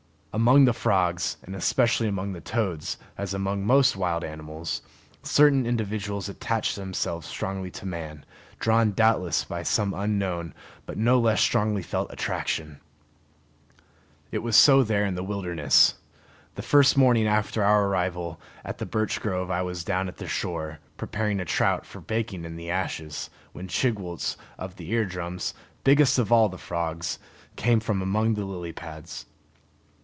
Among the frogs, and especially among the toads, as among most wild animals, certain individuals attach themselves strongly to man, drawn doubtless by some unknown but no less strongly felt attraction. It was so there in the wilderness. The first morning after our arrival at the birch grove I was down at the shore, preparing a trout for baking in the ashes, when Chigwooltz, of the ear drums, biggest of all the frogs, came from among the lily pads.